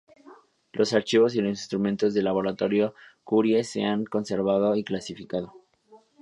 Los archivos y los instrumentos del laboratorio Curie se han conservado y clasificado.